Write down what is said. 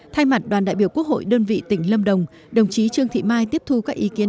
thay mặt đoàn đại biểu quốc hội đơn vị tỉnh lâm đồng đồng chí trương thị mai tiếp thu các ý kiến